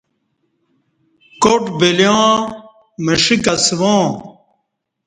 کاٹ بلیاں مشہ کسواں